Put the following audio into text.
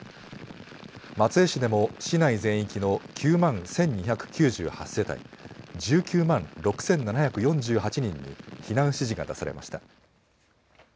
松江市でも市内全域の９万１２９８世帯１９万６７４８人に避難指示が出されました。